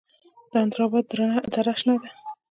د اندراب دره شنه ده